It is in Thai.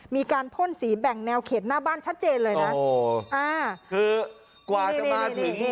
มีการพ่นสีแบ่งแนวเขตหน้าบ้านชัดเจนเลยนะ